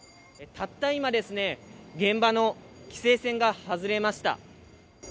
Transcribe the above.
たった今、現場の規制線が外れました。